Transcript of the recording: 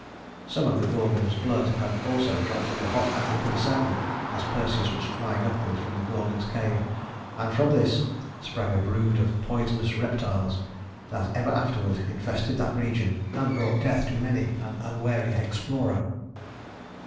Some of the Gorgon's blood had also dropped on the hot African sand, as Perseus was flying upward from the Gorgon's cave, and from this sprang a brood of poisonous reptiles that ever afterward infested that region and brought death to many an unwary explorer.